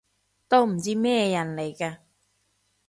都唔知咩人嚟㗎